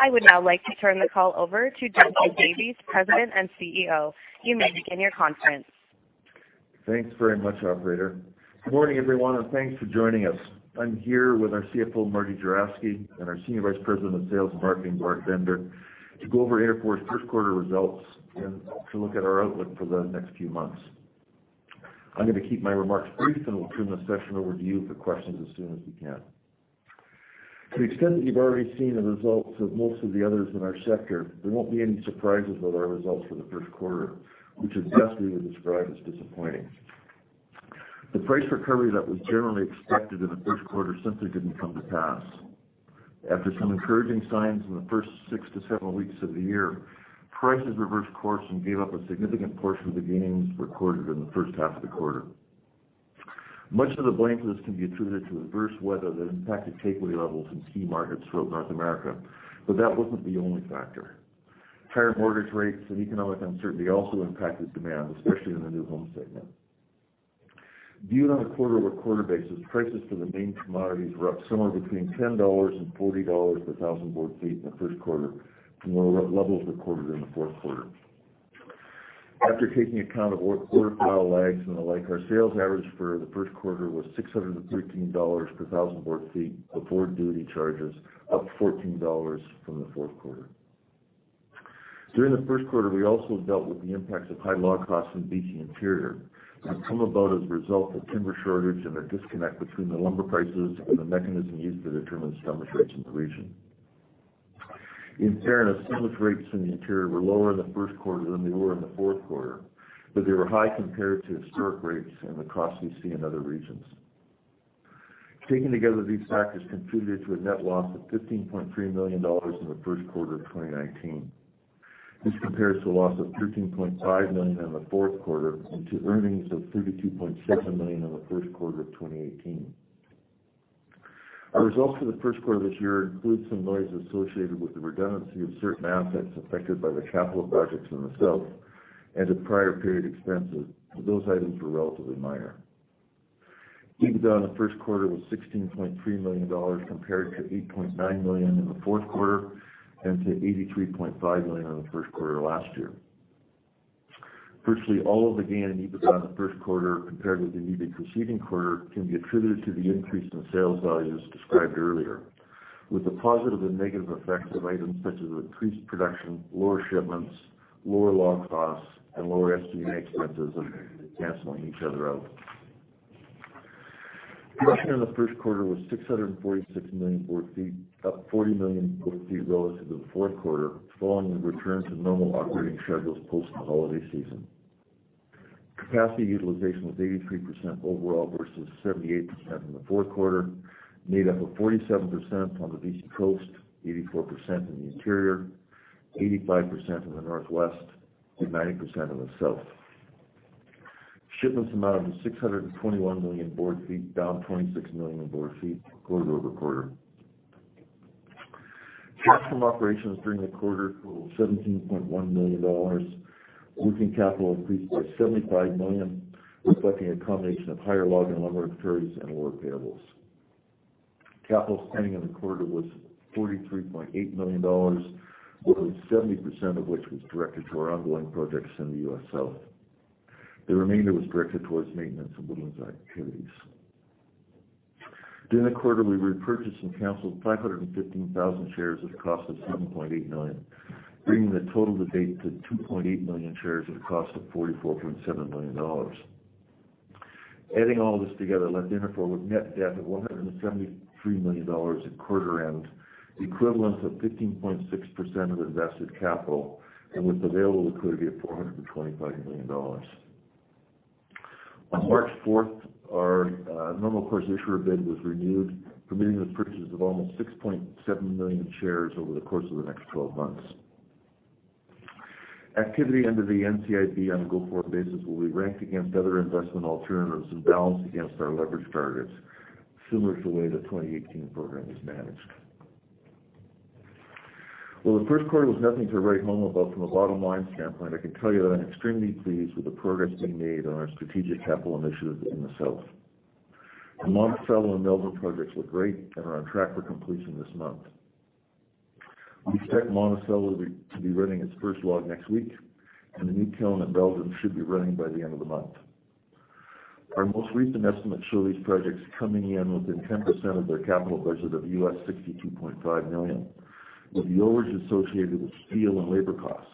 I would now like to turn the call over to Duncan Davies, President and CEO. You may begin your conference. Thanks very much, operator. Good morning, everyone, and thanks for joining us. I'm here with our CFO, Marty Juravsky, and our Senior Vice President of Sales and Marketing, Bart Bender, to go over Interfor's first quarter results and to look at our outlook for the next few months. I'm gonna keep my remarks brief, and we'll turn the session over to you for questions as soon as we can. To the extent that you've already seen the results of most of the others in our sector, there won't be any surprises about our results for the first quarter, which at best we would describe as disappointing. The price recovery that was generally expected in the first quarter simply didn't come to pass. After some encouraging signs in the first six to seven weeks of the year, prices reversed course and gave up a significant portion of the gains recorded in the first half of the quarter. Much of the blame for this can be attributed to adverse weather that impacted takeaway levels in key markets throughout North America, but that wasn't the only factor. Higher mortgage rates and economic uncertainty also impacted demand, especially in the new home segment. Viewed on a quarter-over-quarter basis, prices for the main commodities were up somewhere between $10 and $40 per thousand board feet in the first quarter from the levels recorded in the fourth quarter. After taking account of order file lags and the like, our sales average for the first quarter was $613 per thousand board feet before duty charges, up $14 from the fourth quarter. During the first quarter, we also dealt with the impacts of high log costs in BC Interior, that come about as a result of timber shortage and a disconnect between the lumber prices and the mechanism used to determine stumpage rates in the region. In fairness, stumpage rates in the Interior were lower in the first quarter than they were in the fourth quarter, but they were high compared to historic rates and the costs we see in other regions. Taken together, these factors contributed to a net loss of $15.3 million in the first quarter of 2019. This compares to a loss of $13.5 million in the fourth quarter and to earnings of $32.7 million in the first quarter of 2018. Our results for the first quarter of this year include some noise associated with the redundancy of certain assets affected by the capital projects in the South and the prior period expenses, but those items were relatively minor. EBITDA in the first quarter was $16.3 million, compared to $8.9 million in the fourth quarter and to $83.5 million in the first quarter last year. Virtually all of the gain in EBITDA in the first quarter, compared with the EBITDA preceding quarter, can be attributed to the increase in sales values described earlier, with the positive and negative effects of items such as increased production, lower shipments, lower log costs, and lower SG&A expenses canceling each other out. Production in the first quarter was 646 million board feet, up 40 million board feet relative to the fourth quarter, following the return to normal operating schedules post the holiday season. Capacity utilization was 83% overall versus 78% in the fourth quarter, made up of 47% on the BC coast, 84% in the Interior, 85% in the Northwest, and 90% in the South. Shipments amounted to 621 million board feet, down 26 million board feet quarter-over-quarter. Cash from operations during the quarter totaled $17.1 million. Working capital increased by $75 million, reflecting a combination of higher log and lumber inventories and lower payables. Capital spending in the quarter was $43.8 million, more than 70% of which was directed to our ongoing projects in the US South. The remainder was directed towards maintenance and woodlands activities. During the quarter, we repurchased and canceled 515,000 shares at a cost of $7.8 million, bringing the total to date to 2.8 million shares at a cost of $44.7 million. Adding all this together left Interfor with net debt of $173 million at quarter end, the equivalent of 15.6% of invested capital, and with available liquidity of $425 million. On March fourth, our normal course issuer bid was renewed, permitting the purchase of almost 6.7 million shares over the course of the next twelve months. Activity under the NCIB on a go-forward basis will be ranked against other investment alternatives and balanced against our leverage targets, similar to the way the 2018 program was managed. Well, the first quarter was nothing to write home about from a bottom-line standpoint. I can tell you that I'm extremely pleased with the progress being made on our strategic capital initiatives in the South. The Monticello and Meldrim projects look great and are on track for completion this month. We expect Monticello to be, to be running its first log next week, and the new kiln at Meldrim should be running by the end of the month. Our most recent estimates show these projects coming in within 10% of their capital budget of $62.5 million, with the overage associated with steel and labor costs.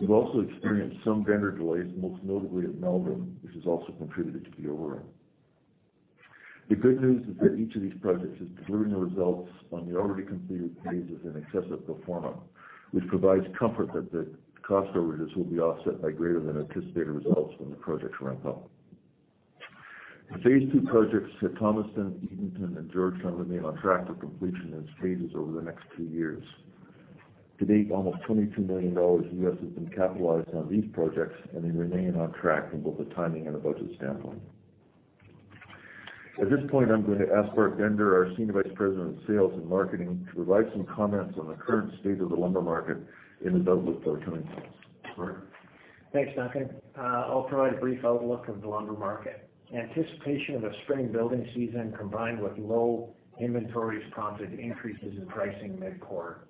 We've also experienced some vendor delays, most notably at Meldrim, which has also contributed to the overrun. The good news is that each of these projects is delivering the results on the already completed phases in excess of pro forma, which provides comfort that the cost overages will be offset by greater than anticipated results when the project ramp up. The phase II projects at Thomaston, Eatonton, and Georgetown remain on track for completion in stages over the next two years. To date, almost $22 million has been capitalized on these projects, and they remain on track from both a timing and a budget standpoint. At this point, I'm going to ask Bart Bender, our Senior Vice President of Sales and Marketing, to provide some comments on the current state of the lumber market in the South with our timing. Bart?... Thanks, Duncan. I'll provide a brief outlook of the lumber market. Anticipation of a spring building season, combined with low inventories, prompted increases in pricing mid-quarter.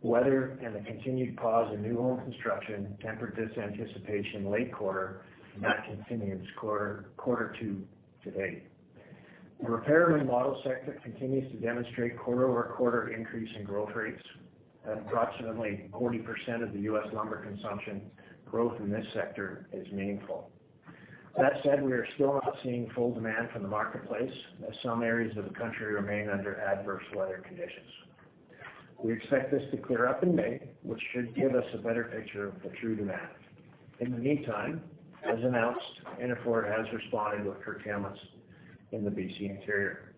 Weather and the continued pause in new home construction tempered this anticipation late quarter, and that continues quarter two to date. The repair and remodel sector continues to demonstrate quarter-over-quarter increase in growth rates. At approximately 40% of the U.S. lumber consumption, growth in this sector is meaningful. That said, we are still not seeing full demand from the marketplace, as some areas of the country remain under adverse weather conditions. We expect this to clear up in May, which should give us a better picture of the true demand. In the meantime, as announced, Interfor has responded with curtailments in the BC Interior.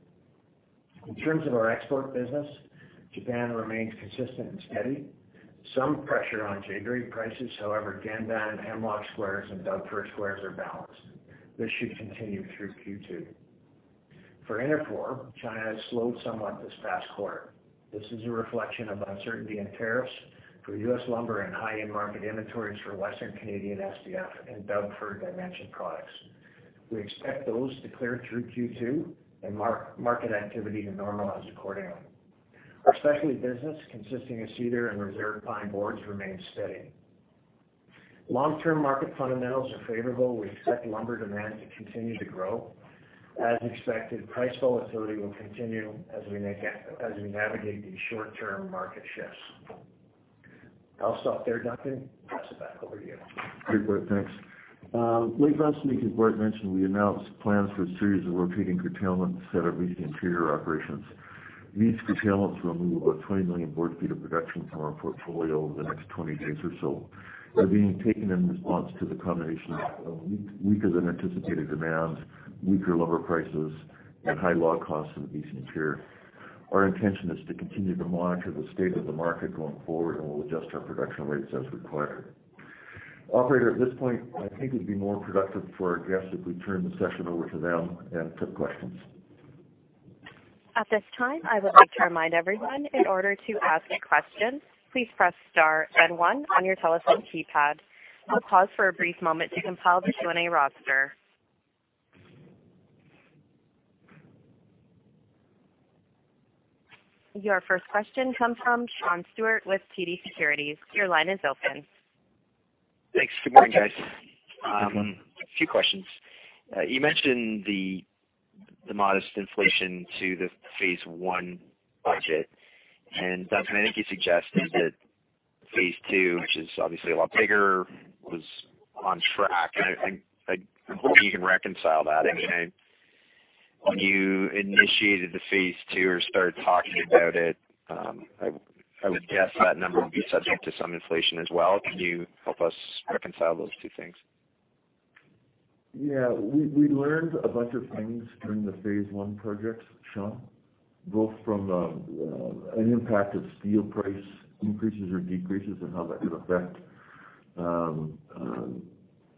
In terms of our export business, Japan remains consistent and steady. Some pressure on J Grade prices, however, Genban and Hemlock squares and Doug Fir squares are balanced. This should continue through Q2. For Interfor, China has slowed somewhat this past quarter. This is a reflection of uncertainty in tariffs for US lumber and high-end market inventories for Western Canadian SPF and Doug Fir dimension products. We expect those to clear through Q2 and market activity to normalize accordingly. Our specialty business, consisting of Cedar and Reserve Pine boards, remains steady. Long-term market fundamentals are favorable. We expect lumber demand to continue to grow. As expected, price volatility will continue as we navigate these short-term market shifts. I'll stop there, Duncan. Pass it back over to you. Great, Bart. Thanks. Late last week, as Bart mentioned, we announced plans for a series of rotating curtailments at our BC Interior operations. These curtailments will remove about 20 million board feet of production from our portfolio over the next 20 days or so. They're being taken in response to the combination of weaker than anticipated demand, weaker lumber prices, and high log costs in the BC Interior. Our intention is to continue to monitor the state of the market going forward, and we'll adjust our production rates as required. Operator, at this point, I think it'd be more productive for our guests if we turn the session over to them and take questions. At this time, I would like to remind everyone, in order to ask a question, please press star and one on your telephone keypad. I'll pause for a brief moment to compile the Q&A roster. Your first question comes from Sean Steuart with TD Securities. Your line is open. Thanks. Good morning, guys. A few questions. You mentioned the modest inflation to the phase I budget, and Duncan, I think you suggested that phase II, which is obviously a lot bigger, was on track. I'm hoping you can reconcile that. I mean, when you initiated the phase II or started talking about it, I would guess that number would be subject to some inflation as well. Can you help us reconcile those two things? Yeah. We learned a bunch of things during the phase I project, Sean, both from an impact of steel price increases or decreases and how that could affect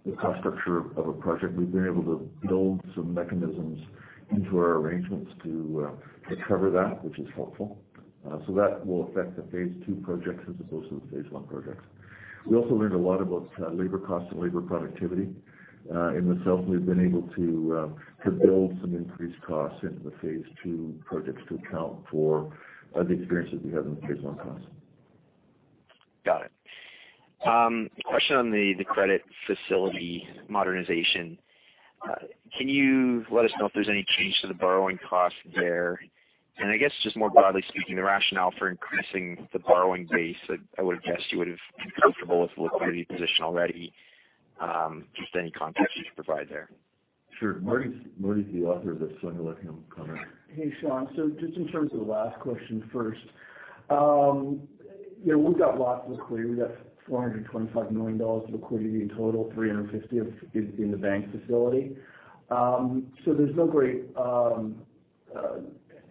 the cost structure of a project. We've been able to build some mechanisms into our arrangements to cover that, which is helpful. So that will affect the phase II projects as opposed to the phase I projects. We also learned a lot about labor costs and labor productivity. In the South, we've been able to build some increased costs into the phase II projects to account for the experiences we had in the phase I costs. Got it. A question on the credit facility modernization. Can you let us know if there's any change to the borrowing cost there? And I guess, just more broadly speaking, the rationale for increasing the borrowing base. I would have guessed you would have been comfortable with the liquidity position already. Just any context you could provide there? Sure. Marty's the author of this, so I'm going to let him comment. Hey, Sean. So just in terms of the last question first, yeah, we've got lots of liquidity. We've got $425 million of liquidity in total, 350 in the bank facility. So there's no great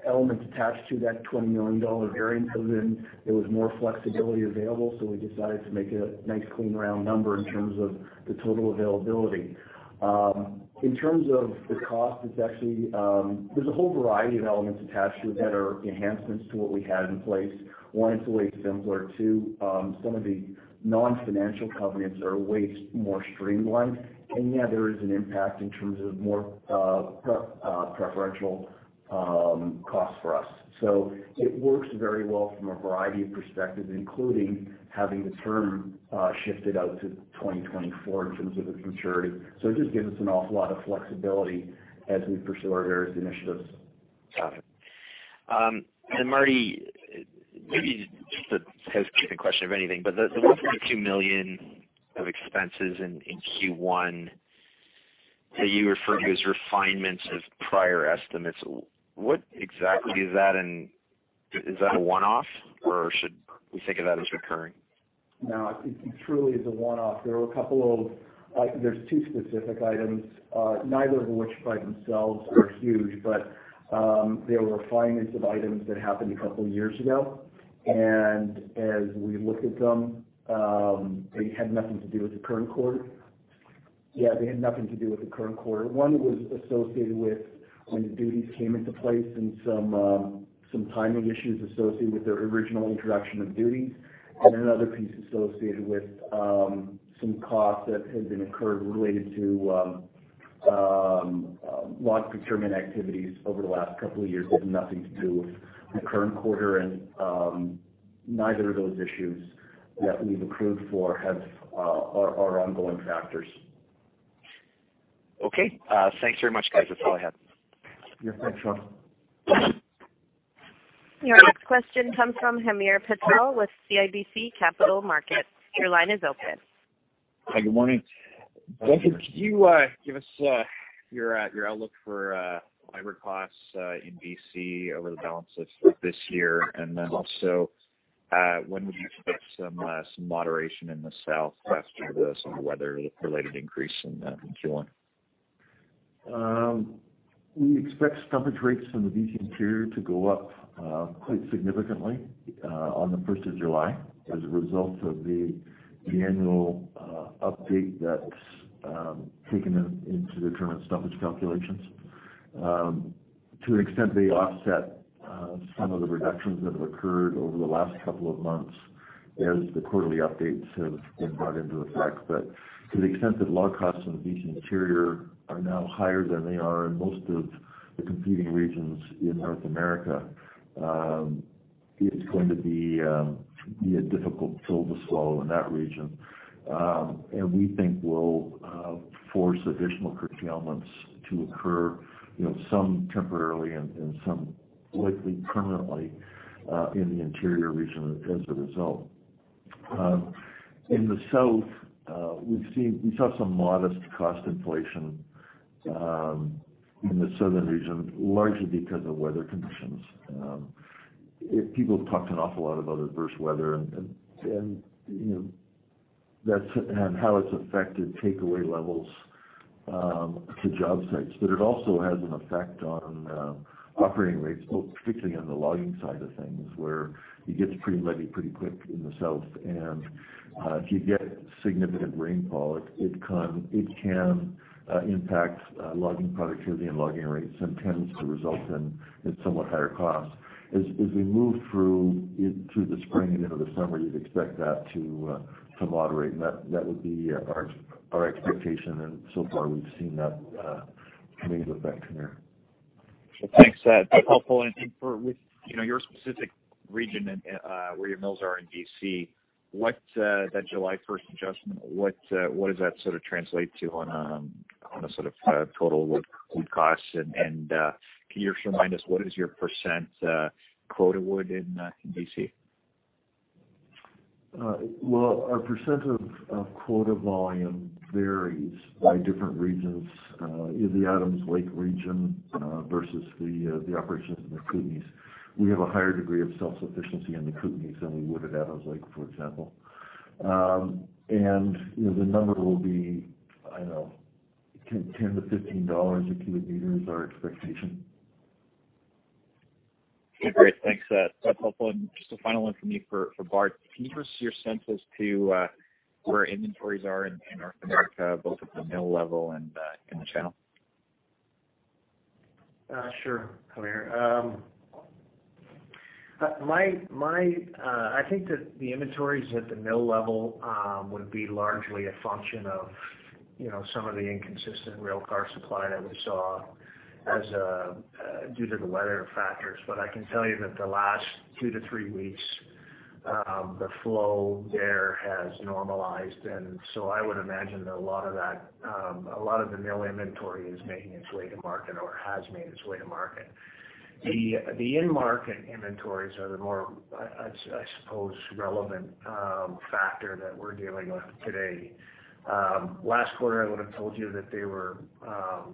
elements attached to that $20 million variance other than there was more flexibility available, so we decided to make it a nice, clean, round number in terms of the total availability. In terms of the cost, it's actually, there's a whole variety of elements attached to it that are enhancements to what we had in place. One, it's always similar. Two, some of the non-financial covenants are way more streamlined. And, yeah, there is an impact in terms of more preferential costs for us. So it works very well from a variety of perspectives, including having the term shifted out to 2024 in terms of the maturity. So it just gives us an awful lot of flexibility as we pursue our various initiatives. Got it. And Martin, maybe just a housekeeping question, if anything, but the $1.2 million of expenses in Q1 that you referred to as refinements of prior estimates, what exactly is that? And is that a one-off or should we think of that as recurring? No, it truly is a one-off. There were a couple of, there's two specific items, neither of which by themselves are huge, but, they were refinements of items that happened a couple years ago. And as we looked at them, they had nothing to do with the current quarter.... Yeah, they had nothing to do with the current quarter. One was associated with when duties came into place and some timing issues associated with their original introduction of duties, and another piece associated with some costs that had been incurred related to log procurement activities over the last couple of years, but nothing to do with the current quarter. And neither of those issues that we've accrued for are ongoing factors. Okay. Thanks very much, guys. That's all I had. Yeah, thanks, Tom. Your next question comes from Hamir Patel with CIBC Capital Markets. Your line is open. Hi, good morning. Could you give us your outlook for fiber costs in BC over the balance of this year? And then also, when would you expect some moderation in the Southwest over some weather related increase in Q1? We expect stoppage rates in the BC Interior to go up quite significantly on the first of July as a result of the annual update that's taken into the current stoppage calculations. To an extent, they offset some of the reductions that have occurred over the last couple of months as the quarterly updates have been brought into effect. But to the extent that log costs in the BC Interior are now higher than they are in most of the competing regions in North America, it's going to be a difficult pill to swallow in that region. And we think will force additional curtailments to occur, you know, some temporarily and some likely permanently in the Interior region as a result. In the south, we've seen—we saw some modest cost inflation in the southern region, largely because of weather conditions. People have talked an awful lot about adverse weather and, you know, that's and how it's affected takeaway levels to job sites. But it also has an effect on operating rates, particularly on the logging side of things, where it gets pretty muddy, pretty quick in the south. And if you get significant rainfall, it can impact logging productivity and logging rates, and tends to result in somewhat higher costs. As we move through it, through the spring and into the summer, you'd expect that to moderate, and that would be our expectation, and so far, we've seen that coming into effect from there. Thanks. That's helpful. And I think for, with, you know, your specific region and where your mills are in BC, what that July first adjustment, what does that sort of translate to on a sort of total wood costs? And can you just remind us, what is your percent quota wood in BC? Well, our percent of quota volume varies by different regions, in the Adams Lake region, versus the operations in the Kootenays. We have a higher degree of self-sufficiency in the Kootenays than we would at Adams Lake, for example. You know, the number will be, I don't know, $10-$15 a cubic meter is our expectation. Okay, great. Thanks. That's, that's helpful. And just a final one from me for, for Bart. Can you give us your sense as to where inventories are in, in North America, both at the mill level and in the channel? Sure, Hamir. My, my, I think that the inventories at the mill level would be largely a function of, you know, some of the inconsistent railcar supply that we saw as due to the weather factors. But I can tell you that the last 2-3 weeks, the flow there has normalized, and so I would imagine that a lot of that, a lot of the mill inventory is making its way to market or has made its way to market. The in-market inventories are the more, I suppose, relevant factor that we're dealing with today. Last quarter, I would have told you that they were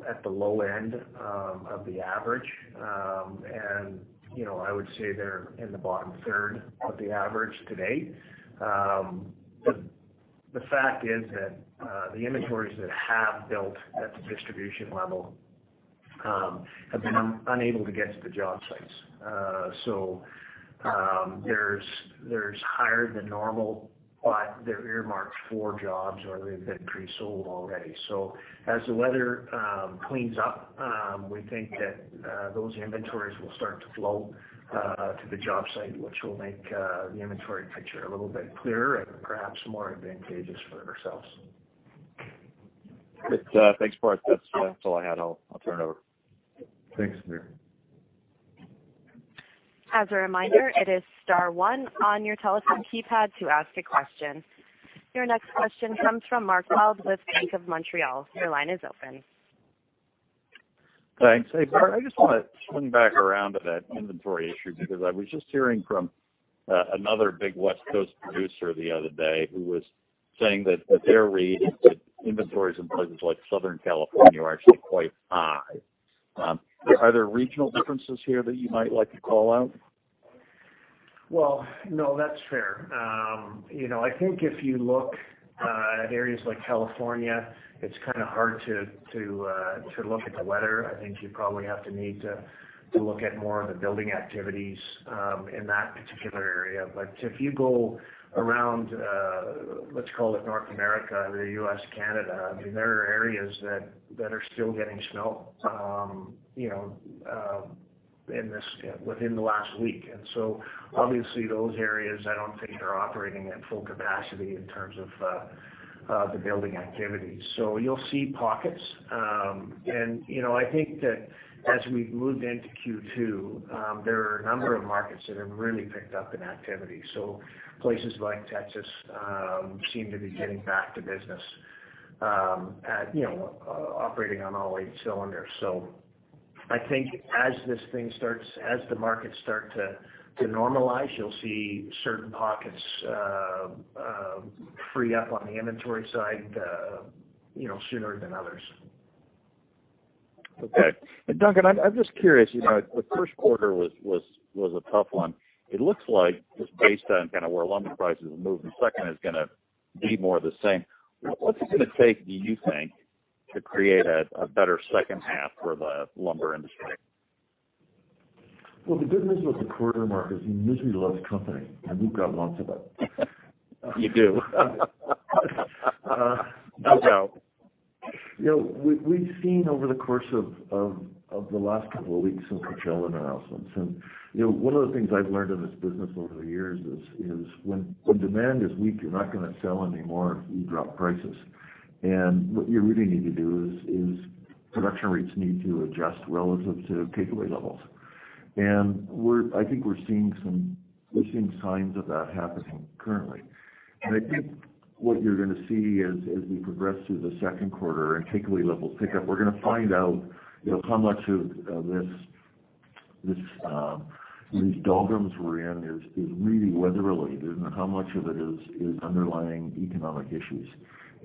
at the low end of the average. And, you know, I would say they're in the bottom third of the average today. But the fact is that the inventories that have built at the distribution level have been unable to get to the job sites. So there's higher than normal, but they're earmarked for jobs or they've been pre-sold already. So as the weather cleans up, we think that those inventories will start to flow to the job site, which will make the inventory picture a little bit clearer and perhaps more advantageous for ourselves. Good. Thanks, Bart. That's, that's all I had. I'll, I'll turn it over. Thanks, Hamir. As a reminder, it is star one on your telephone keypad to ask a question. Your next question comes from Mark Wilde with Bank of Montreal. Your line is open. Thanks. Hey, Bart, I just wanna swing back around to that inventory issue, because I was just hearing from another big West Coast producer the other day who was saying that their read is that inventories in places like Southern California are actually quite high. Are there regional differences here that you might like to call out? Well, no, that's fair. You know, I think if you look at areas like California, it's kind of hard to look at the weather. I think you probably have to need to look at more of the building activities in that particular area. But if you go around, let's call it North America or the U.S., Canada, I mean, there are areas that are still getting snow. You know, within the last week. And so obviously, those areas I don't think are operating at full capacity in terms of the building activity. So you'll see pockets. And, you know, I think that as we've moved into Q2, there are a number of markets that have really picked up in activity. So places like Texas seem to be getting back to business, you know, operating on all eight cylinders. So I think as this thing starts, as the markets start to normalize, you'll see certain pockets free up on the inventory side, you know, sooner than others. Okay. And Duncan, I'm just curious, you know, the first quarter was a tough one. It looks like just based on kind of where lumber prices have moved, and second is gonna be more of the same. What's it gonna take, do you think, to create a better second half for the lumber industry? Well, the good news about the quarter market is misery loves company, and we've got lots of it. You do. You know, we've seen over the course of the last couple of weeks some curtailment announcements. And, you know, one of the things I've learned in this business over the years is when demand is weak, you're not gonna sell any more if you drop prices. And what you really need to do is production rates need to adjust relative to takeaway levels. And we're I think we're seeing some we're seeing signs of that happening currently. And I think what you're gonna see as we progress through the second quarter and takeaway levels pick up, we're gonna find out, you know, how much of this these doldrums we're in is really weather related and how much of it is underlying economic issues.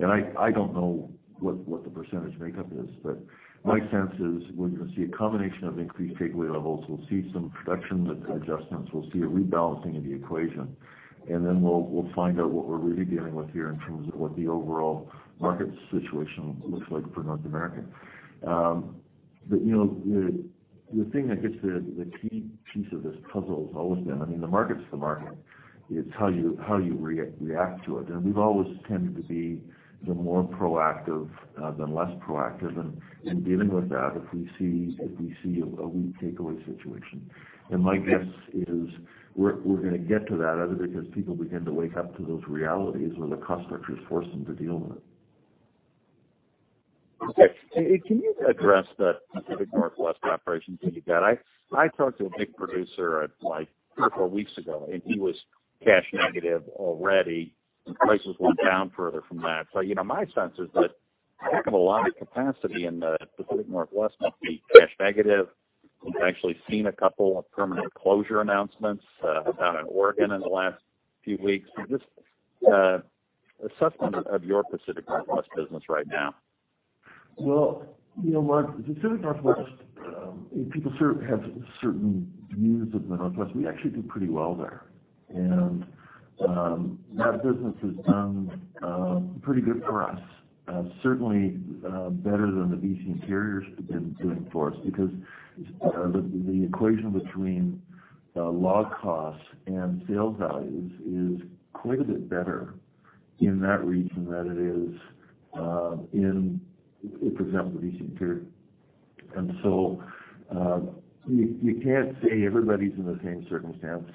I don't know what the percentage makeup is, but my sense is we're gonna see a combination of increased takeaway levels. We'll see some production adjustments. We'll see a rebalancing of the equation, and then we'll find out what we're really dealing with here in terms of what the overall market situation looks like for North America. But you know, the thing I guess, the key piece of this puzzle has always been, I mean, the market's the market. It's how you react to it. And we've always tended to be the more proactive than less proactive in dealing with that if we see a weak takeaway situation. My guess is we're gonna get to that, either because people begin to wake up to those realities or the customers force them to deal with it. Okay. Can you address the Pacific Northwest operations that you've got? I talked to a big producer, like, a couple of weeks ago, and he was cash negative already, and prices went down further from that. So, you know, my sense is that a heck of a lot of capacity in the Pacific Northwest must be cash negative. We've actually seen a couple of permanent closure announcements out in Oregon in the last few weeks. So just assessment of your Pacific Northwest business right now. Well, you know, Mark, the Pacific Northwest, people certainly have certain views of the Northwest. We actually do pretty well there. And, that business has done, pretty good for us, certainly, better than the BC Interior has been doing for us. Because, the equation between, log costs and sales values is quite a bit better in that region than it is, in, for example, the BC Interior. And so, you can't say everybody's in the same circumstance.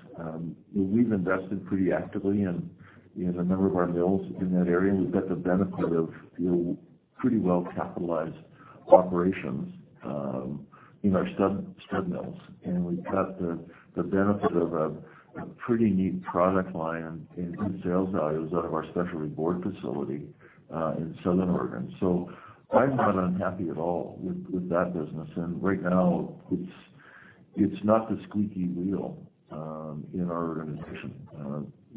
We've invested pretty actively in a number of our mills in that area, and we've got the benefit of, you know, pretty well-capitalized operations, in our stud mills. And we've got the benefit of a pretty neat product line in sales values out of our specialty board facility, in Southern Oregon. I'm not unhappy at all with that business. Right now, it's not the squeaky wheel in our organization.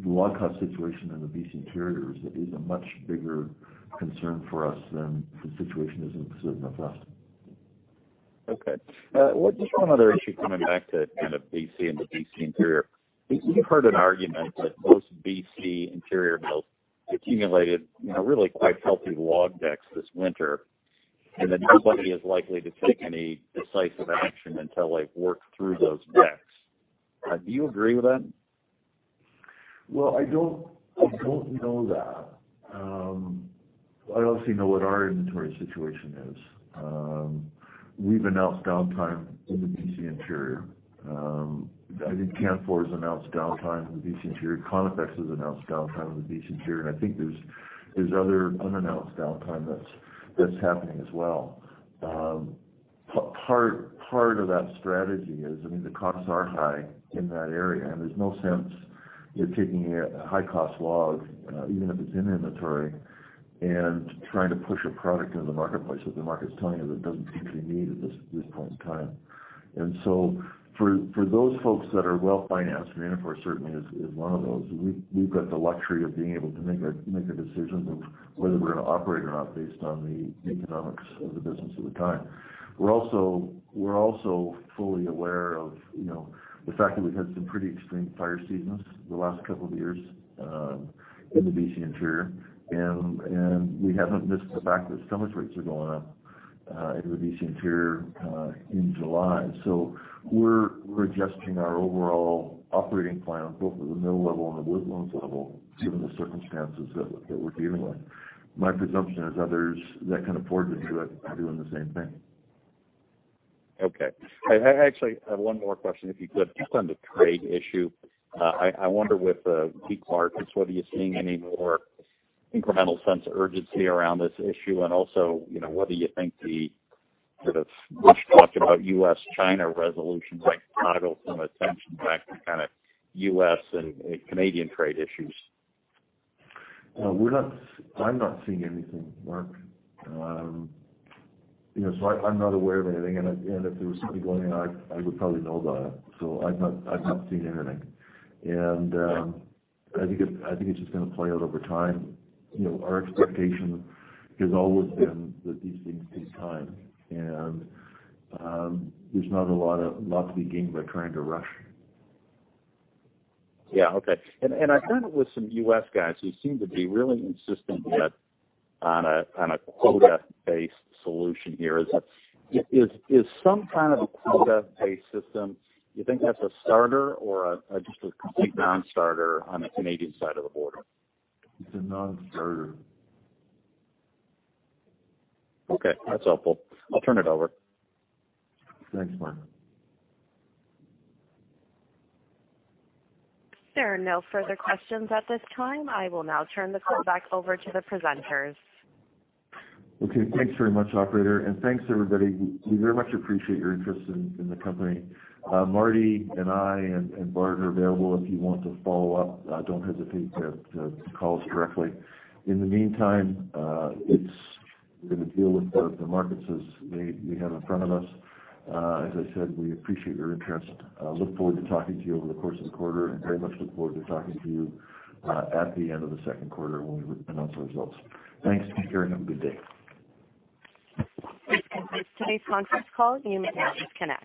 The log cost situation in the BC Interior is a much bigger concern for us than the situation is in the Pacific Northwest. Okay. Well, just one other issue, coming back to kind of BC and the BC Interior. We've heard an argument that most BC Interior mills accumulated, you know, really quite healthy log decks this winter, and that nobody is likely to take any decisive action until they've worked through those decks. Do you agree with that? Well, I don't, I don't know that. I obviously know what our inventory situation is. We've announced downtime in the BC Interior. I think Canfor has announced downtime in the BC Interior. Conifex has announced downtime in the BC Interior, and I think there's other unannounced downtime that's happening as well. Part of that strategy is, I mean, the costs are high in that area, and there's no sense in taking a high-cost log, even if it's in inventory, and trying to push a product into the marketplace that the market's telling you that it doesn't think they need at this point in time. So for those folks that are well-financed, and Interfor certainly is one of those, we've got the luxury of being able to make a decision of whether we're gonna operate or not based on the economics of the business at the time. We're also fully aware of, you know, the fact that we've had some pretty extreme fire seasons the last couple of years in the BC Interior. We haven't missed the fact that stumpage rates are going up in the BC Interior in July. So we're adjusting our overall operating plan both at the mill level and the woodland level, given the circumstances that we're dealing with. My presumption is others that can afford to do it are doing the same thing.... Okay. I actually have one more question, if you could. Just on the trade issue, I wonder with the peak markets whether you're seeing any more incremental sense of urgency around this issue, and also, you know, whether you think the sort of bush talk about U.S., China resolution might toggle some attention back to kind of U.S. and Canadian trade issues? We're not seeing anything, Mark. You know, I'm not aware of anything, and if there was something going on, I would probably know about it. So I've not seen anything. I think it's just gonna play out over time. You know, our expectation has always been that these things take time, and there's not a lot to be gained by trying to rush. Yeah. Okay. And I heard it with some U.S. guys who seem to be really insistent on a quota-based solution here. Is it some kind of a quota-based system, you think that's a starter or just a complete non-starter on the Canadian side of the border? It's a non-starter. Okay, that's helpful. I'll turn it over. Thanks, Mark. There are no further questions at this time. I will now turn the call back over to the presenters. Okay, thanks very much, operator, and thanks, everybody. We very much appreciate your interest in the company. Marty and I and Bart are available if you want to follow up, don't hesitate to call us directly. In the meantime, we're gonna deal with the markets as we have in front of us. As I said, we appreciate your interest. Look forward to talking to you over the course of the quarter, and very much look forward to talking to you at the end of the second quarter when we announce our results. Thanks, take care, and have a good day. This concludes today's conference call. You may now disconnect.